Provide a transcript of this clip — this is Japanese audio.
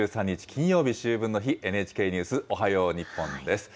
金曜日、秋分の日、ＮＨＫニュースおはよう日本です。